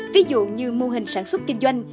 ví dụ như mô hình sản xuất kinh doanh